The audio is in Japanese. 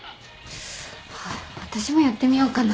私もやってみようかな。